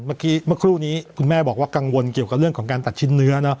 เมื่อกี้เมื่อครู่นี้คุณแม่บอกว่ากังวลเกี่ยวกับเรื่องของการตัดชิ้นเนื้อ